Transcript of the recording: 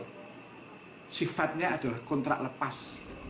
dan kemudian dia juga menjadi kontrak lepas